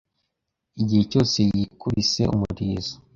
Igihe cyose yikubise umurizo